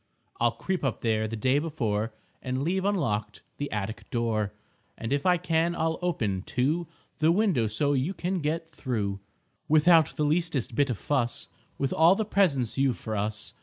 I'll creep up there the day before And leave unlocked the attic door; And if I can I'll open, too, The window so you can get through Without the leastest bit of fuss With all the presents you've for us.